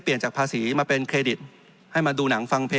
จริงโครงการนี้มันเป็นภาพสะท้อนของรัฐบาลชุดนี้ได้เลยนะครับ